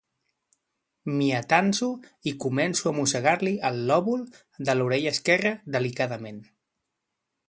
M'hi atanso i començo a mossegar-li el lòbul de l'orella esquerra delicadament.